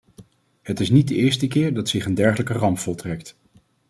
Het is niet de eerste keer dat zich een dergelijke ramp voltrekt.